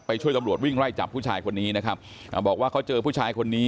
ช่วยตำรวจวิ่งไล่จับผู้ชายคนนี้นะครับอ่าบอกว่าเขาเจอผู้ชายคนนี้